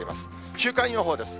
週間予報です。